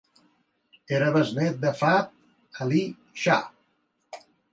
Era besnét de Fath Ali Shah.